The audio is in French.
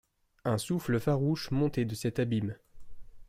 Un souffle farouche montait de cet abîme.